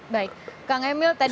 baik kang emil tadi